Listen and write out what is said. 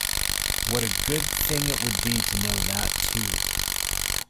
What a good thing it would be to know that too!